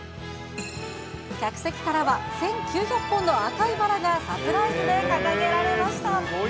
客席からは１９００本の赤いバラがサプライズで掲げられました。